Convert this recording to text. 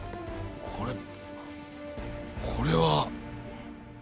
これこれは。